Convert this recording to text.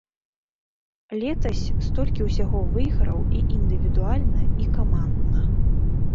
Летась столькі ўсяго выйграў і індывідуальна, і камандна.